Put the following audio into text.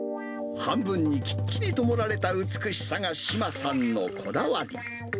半分にきっちりと盛られた美しさが志麻さんのこだわり。